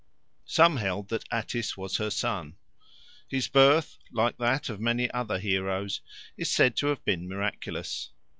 Some held that Attis was her son. His birth, like that of many other heroes, is said to have been miraculous.